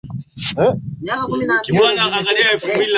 Andika kila kitu anachosema.